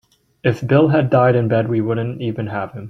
If Bill had died in bed we wouldn't even have him.